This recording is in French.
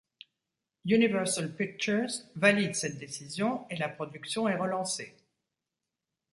Universal Pictures valide cette décision et la production est relancée.